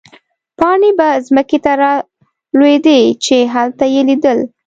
پاڼې به مځکې ته رالوېدې، چې هلته يې لیدل.